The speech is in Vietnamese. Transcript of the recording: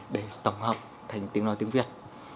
để tổng hợp thành tiếng nói tiếng việt